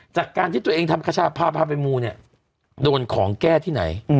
จากการที่ตัวเองทำคชาพาพาไปมูเนี่ยโดนของแก้ที่ไหน